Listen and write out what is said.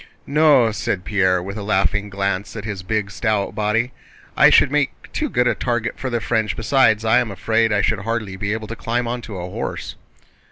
"No," said Pierre, with a laughing glance at his big, stout body. "I should make too good a target for the French, besides I am afraid I should hardly be able to climb onto a horse."